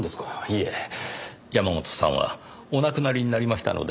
いえ山本さんはお亡くなりになりましたので。